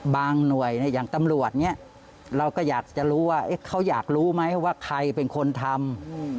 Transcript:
หน่วยอย่างตำรวจเนี่ยเราก็อยากจะรู้ว่าเขาอยากรู้ไหมว่าใครเป็นคนทำ